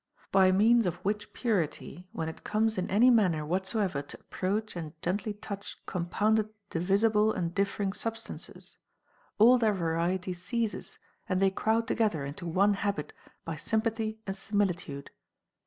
By means of which purity, when it comes in any manner whatsoever to approach and gently touch compounded divisible and differing substances, all their variety ceases and they crowd together into one habit by sympathy and similitude.